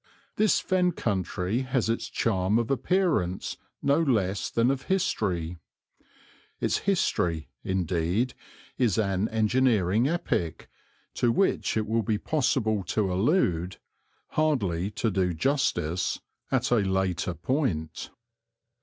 This Fen Country has its charm of appearance no less than of history. Its history, indeed, is an engineering epic, to which it will be possible to allude, hardly to do justice, at a later point.